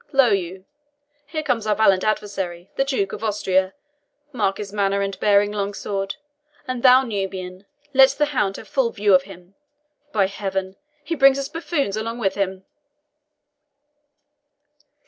Lo you, here comes our valiant adversary, the Duke of Austria. Mark his manner and bearing, Longsword and thou, Nubian, let the hound have full view of him. By Heaven, he brings his buffoons along with him!"